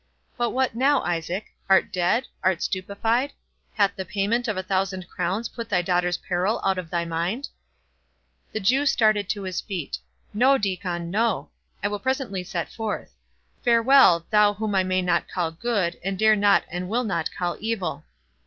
—But what now, Isaac? art dead? art stupefied? hath the payment of a thousand crowns put thy daughter's peril out of thy mind?" The Jew started to his feet—"No, Diccon, no—I will presently set forth.—Farewell, thou whom I may not call good, and dare not and will not call evil."